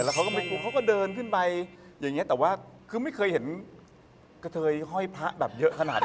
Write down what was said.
เขาก็ไม่กลัวเขาก็เดินขึ้นไปอย่างนี้แต่ว่าคือไม่เคยเห็นกระเทยห้อยพระแบบเยอะขนาดนี้